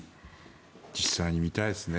実際に見たいですね。